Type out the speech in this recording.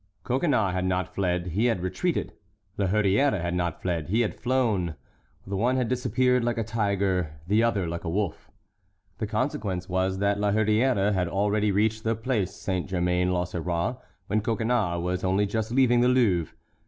Coconnas had not fled, he had retreated; La Hurière had not fled, he had flown. The one had disappeared like a tiger, the other like a wolf. The consequence was that La Hurière had already reached the Place Saint Germain l'Auxerrois when Coconnas was only just leaving the Louvre.